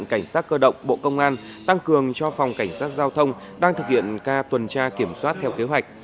cảnh sát cơ động bộ công an tăng cường cho phòng cảnh sát giao thông đang thực hiện ca tuần tra kiểm soát theo kế hoạch